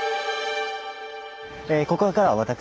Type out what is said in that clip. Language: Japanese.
ここからは私が。